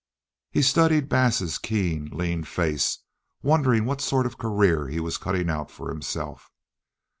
He studied Bass's keen, lean face, wondering what sort of a career he was cutting out for himself.